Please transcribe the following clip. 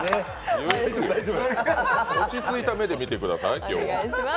落ち着いた目で見てください、今日は。